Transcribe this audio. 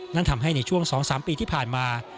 นั่นทำให้ในช่วง๒๓ปีที่ผ่านมา